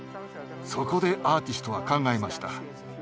そこでアーティストは考えました。